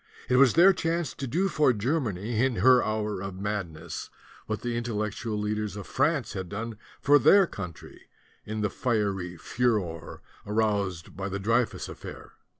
It was their chance to do for Germany in her hour of mad ness what the Intellectual leaders of France had done for their country in the fiery furor aroused by the Dreyfus affair.